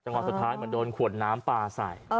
ณจังหวะสุดท้ายมาโดนขวดน้ำปลาใส่